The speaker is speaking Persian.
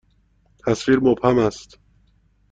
تصویر مبهم است.